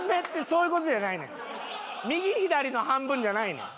右左の半分じゃないねん。